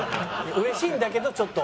うれしいんだけどちょっと。